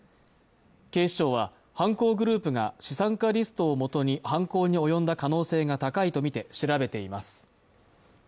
警視庁は犯行グループが資産家リストをもとに犯行に及んだ可能性が高いとみて調べています。